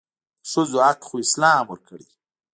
دښځو حق خواسلام ورکړي